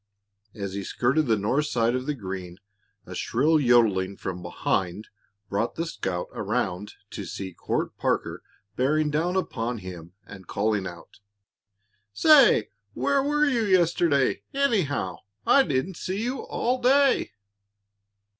As he skirted the north side of the green a shrill yodeling from behind brought the scout around to see Court Parker bearing down upon him, calling out: "Say, where were you yesterday, anyhow? I didn't see you all day."